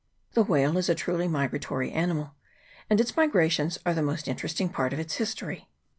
The whale is a truly migratory animal, and its migrations are the most interesting part of its history.